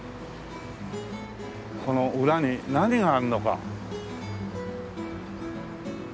この裏に何があるのか。